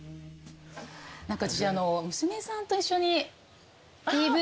何か娘さんと一緒にＰＶ。